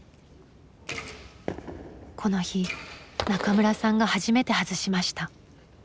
この日中村さんが初めて外しました。